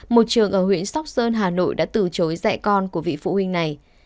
một trường ở huyện sóc sơn hà nội đã từ chối dạy con của vị phụ huynh này